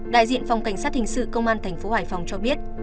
đại diện phòng cảnh sát hình sự công an thành phố hải phòng cho biết